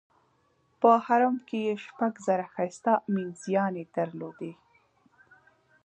په حرم کې یې شپږ زره ښایسته مینځیاني درلودې.